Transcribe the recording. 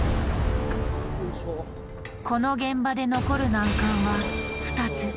この現場で残る難関は２つ。